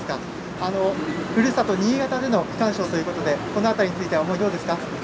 ふるさと・新潟での区間賞ということでこの辺りについてはどうですか。